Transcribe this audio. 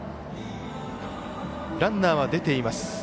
ランナーは出ています。